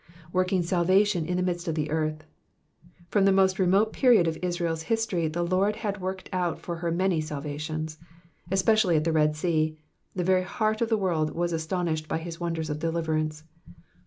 " Working miration in the midnt of the earth.^^ From the most remote period of Israel's history the Lord had worked out for her many salvations ; especially at the Red Sea. the very heart of the world was astonished by his wonders of deliverance.